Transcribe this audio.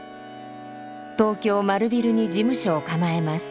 東京丸ビルに事務所を構えます。